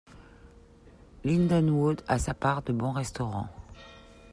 Lindenwood à sa part de bons restaurants.